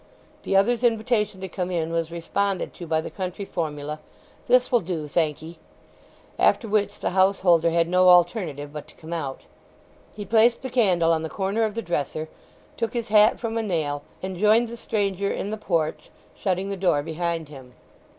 The other's invitation to come in was responded to by the country formula, "This will do, thank 'ee," after which the householder had no alternative but to come out. He placed the candle on the corner of the dresser, took his hat from a nail, and joined the stranger in the porch, shutting the door behind him.